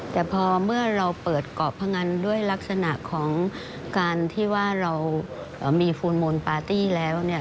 แต่พอเมื่อเราเปิดเกาะพงันด้วยลักษณะของการที่ว่าเรามีฟูลโมนปาร์ตี้แล้วเนี่ย